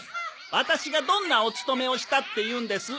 ワタシがどんなお勤めをしたっていうんです？